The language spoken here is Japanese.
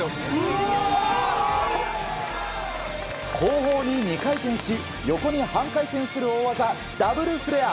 後方に２回転し横に半回転する大技ダブルフレア。